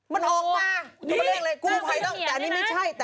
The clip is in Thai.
มันออกมา